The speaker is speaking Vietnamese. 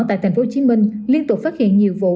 tại tp hcm liên tục phát hiện nhiều vụ